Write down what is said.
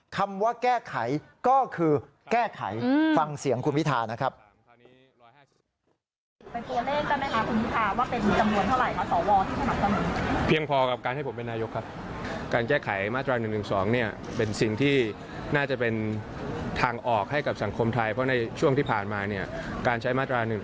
คำว่าแก้ไขก็คือแก้ไขฟังเสียงคุณพิธานะครับ